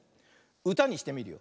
うたにしてみるよ。